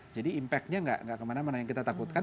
jadi impactnya enggak kemana mana yang kita takutkan